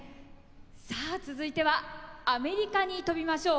さあ続いてはアメリカに飛びましょう。